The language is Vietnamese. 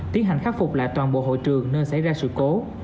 tiến hành khắc phục lại toàn bộ hội trường nơi xảy ra sự cố